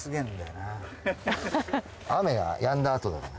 雨が止んだあとだから。